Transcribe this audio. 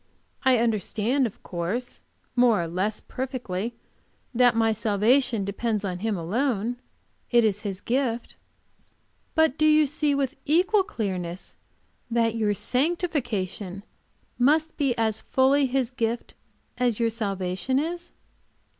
I understand, of course, more or less perfectly, that my salvation depends on Him alone; it is His gift." "But do you see, with equal clearness, that your sanctification must be as fully His gift, as your salvation is?"